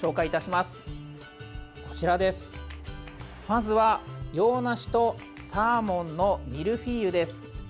まずは洋梨とサーモンのミルフィーユです。